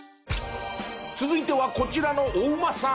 続いてはこちらのお馬さん。